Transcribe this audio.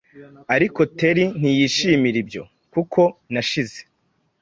Ariko Teli ntiyishimira ibyo, kuko nashize